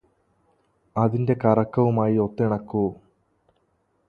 അതിന്റെ കറക്കവുമായി ഒത്തിണക്കൂ